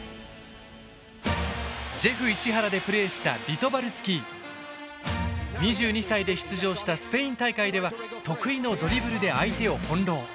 ジェフ市原でプレーした２２歳で出場したスペイン大会では得意のドリブルで相手を翻弄。